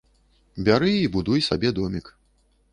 Бяры і будуй сабе домік.